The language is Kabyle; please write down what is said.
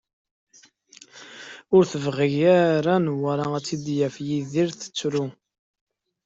Ur tebɣi ara Newwara ad tt-id-yaf Yidir tettru.